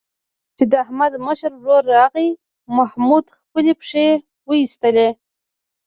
چې د احمد مشر ورور راغی، محمود خپلې پښې وایستلې.